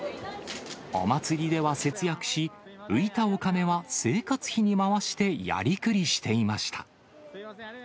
お祭りでは節約し、浮いたお金は生活費に回して、やりくりしていました。